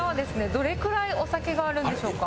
どれくらいお酒があるんでしょうか？